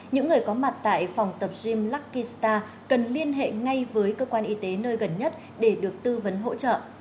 những người có mặt tại phòng tập gym luckysta cần liên hệ ngay với cơ quan y tế nơi gần nhất để được tư vấn hỗ trợ